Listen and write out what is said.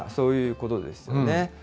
そういうことですよね。